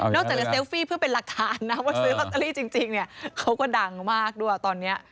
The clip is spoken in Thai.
จากจะเซลฟี่เพื่อเป็นหลักฐานนะว่าซื้อลอตเตอรี่จริงเนี่ยเขาก็ดังมากด้วยตอนนี้